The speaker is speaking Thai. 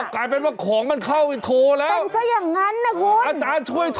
กลายเป็นว่าของมันเข้าไปโทรแล้วอาจารย์ช่วยโทรด้วยเป็นซะอย่างนั้นนะคุณ